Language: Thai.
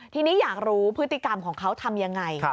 ทีนี้อยากรู้พฤติกรรมของเขาทำยังไง